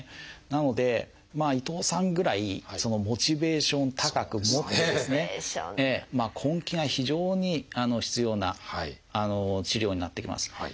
なので伊藤さんぐらいモチベーションを高く持ってですね根気が非常に必要な治療になってきます。